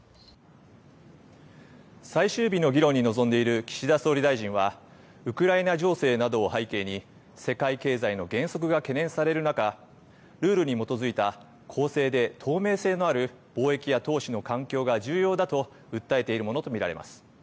最終日の議論に臨んでいる岸田総理大臣はウクライナ情勢などを背景に世界経済の減速が懸念される中、ルールに基づいた公正で透明性のある貿易や投資の環境が重要だと訴えているものと見られます。